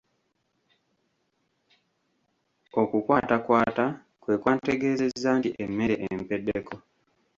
Okukwatakwata kwe kwantegeezezza nti emmere empeddeko.